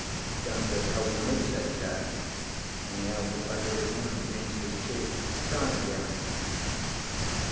"It don't feel cold to me," said Jack, and he held the back of his hand against his cheek. "Try it again."